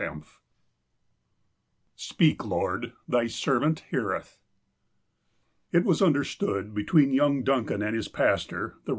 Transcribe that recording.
Ill " SPEAK LORD, THY SERVANT HEARETH " IT was understood between young Duncan and his pastor, the Eev.